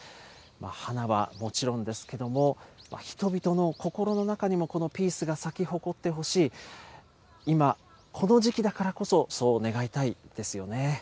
花はもちろんですけども、人々の心の中にもこのピースが咲き誇ってほしい、今、この時期だからこそそう願いたいですよね。